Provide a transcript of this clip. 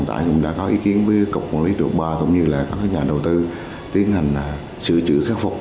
tại cũng đã có ý kiến với cục quản lý độ ba cũng như là các nhà đầu tư tiến hành sửa chữa khắc phục